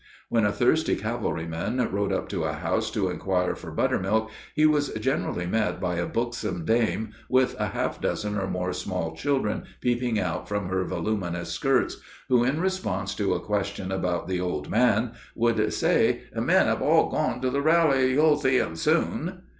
When a thirsty cavalryman rode up to a house to inquire for buttermilk, he was generally met by a buxom dame, with a half dozen or more small children peeping out from her voluminous skirts, who, in response to a question about the "old man," would say: "The men hev all gone to the 'rally'; you'll see 'em soon."